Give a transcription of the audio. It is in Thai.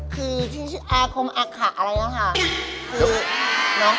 คือสูอาคมอักคค่ะอะไรนะคะ